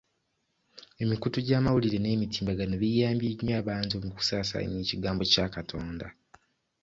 Emikutu gy'amawulire n'emitimbagano biyambye nnyo abantu mu kusaasaanya ekigambo kya Katonda.